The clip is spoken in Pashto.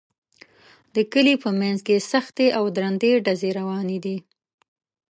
د کلي په منځ کې سختې او درندې ډزې روانې دي